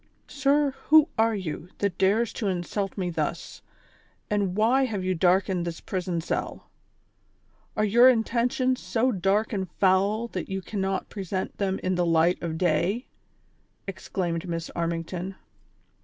" Sir, who are you, tliat dares to insult me thus, and why have you darkened this prison cell ? Are your intentions so dark and foul that you cannot present them in the light of day V" exclaimed Miss Armington.